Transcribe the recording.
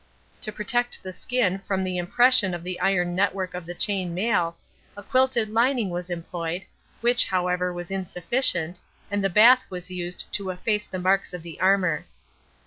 To protect the skin from the impression of the iron network of the chain mail, a quilted lining was employed, which, however, was insufficient, and the bath was used to efface the marks of the armor.